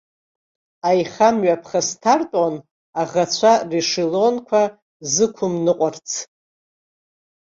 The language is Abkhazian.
Аихамҩа ԥхасҭартәуан аӷацәа решелонқәа зықәымныҟәарц.